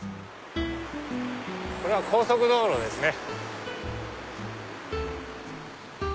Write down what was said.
これは高速道路ですね。